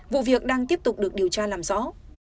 vụ việc đang tiếp tục được điều tra làm rõ